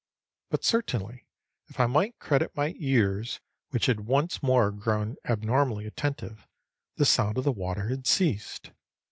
But certainly, if I might credit my ears, which had once more grown abnormally attentive, the sound of the water had ceased.